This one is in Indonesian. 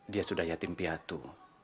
dia sudah yatim piatu